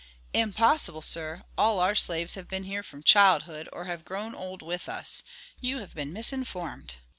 "Impossible, sir; all our slaves have been here from childhood, or have grown old with us. You have been misinformed."